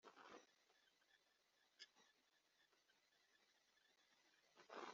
umuryango igizwe n’aba bakurikira